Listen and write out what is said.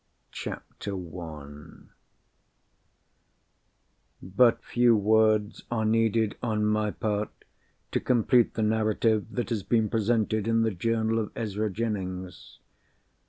_ CHAPTER I But few words are needed, on my part, to complete the narrative that has been presented in the Journal of Ezra Jennings.